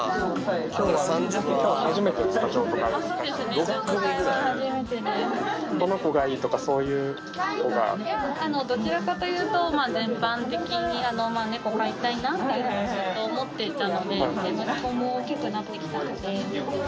きょうは初めてですか、そうですね、譲渡会は初めてこの子がいいとか、そういうどちらかというと、全般的に、猫飼いたいなと思っていたので、息子も大きくなってきたので。